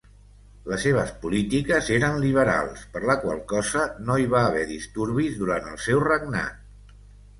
Les seves polítiques eren liberals, per la qual cosa no hi va haver disturbis durant el seu regnat.